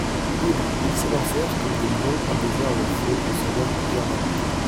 Libres, ils s'élancèrent comme des lions, apaisèrent le feu et sauvèrent plusieurs navires.